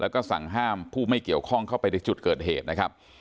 แล้วก็สั่งห้ามผู้ไม่เกี่ยวข้องเข้าไปในจุดเกิดเหตุนะครับ